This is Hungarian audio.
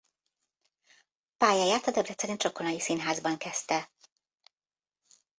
Pályáját a debreceni Csokonai Színházban kezdte.